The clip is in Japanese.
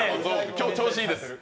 今日調子いいです。